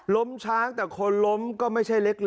ล้มช้างแต่คนล้มก็ไม่ใช่เล็ก